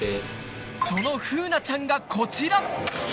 そのフウナちゃんがこちら！